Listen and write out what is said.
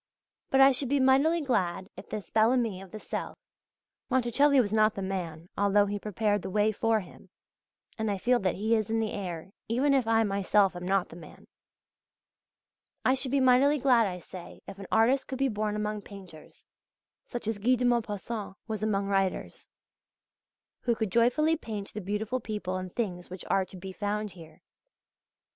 But I should be mightily glad if this Bel Ami of the South (Monticelli was not the man, although he prepared the way for him, and I feel that he is in the air, even if I myself am not the man) I should be mightily glad, I say, if an artist could be born among painters, such as Guy de Maupassant was among writers, who could joyfully paint the beautiful people and things which are to be found here.